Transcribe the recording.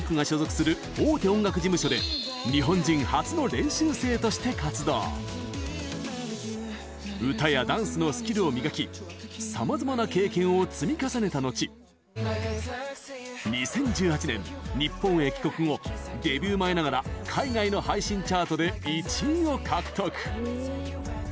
１２歳で韓国へ渡り歌やダンスのスキルを磨きさまざまな経験を積み重ねた後２０１８年、日本へ帰国後デビュー前ながら海外の配信チャートで１位を獲得。